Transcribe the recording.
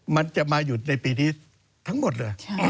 มันจะมาอยู่ในปีนี้ทั้งหมดเลย